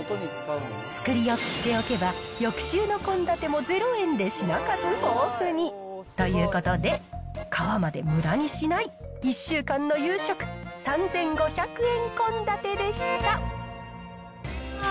作り置きしておけば、翌週の献立も０円で品数豊富に。ということで、皮までむだにしない１週間の夕食３５００円献立でした。